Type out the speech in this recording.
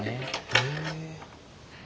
へえ。